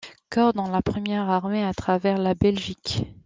Corps dans la première Armée à travers la Belgique.